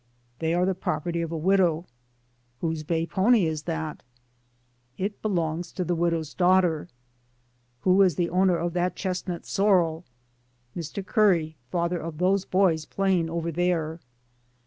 "They are the property of a widow." "Whose bay pony is that?" "It belongs to the widow's daughter." "Who is the owner of that chestnut sor rel?" DAYS ON THE ROAD. 209 "Mr. Curry, father of those boys playing over there."